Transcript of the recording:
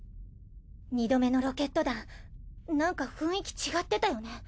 ２度目のロケット団なんか雰囲気違ってたよね。